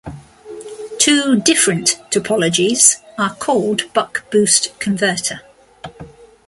Two different topologies are called "buck-boost converter".